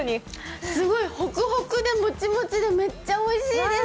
すごいほくほくで、もちもちで、めっちゃおいしいです。